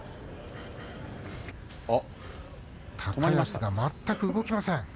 高安が全く動きません。